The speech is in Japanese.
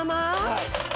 はい。